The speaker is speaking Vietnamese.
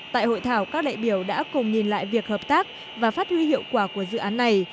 tại hội thảo các đại biểu đã cùng nhìn lại việc hợp tác và phát huy hiệu quả của dự án này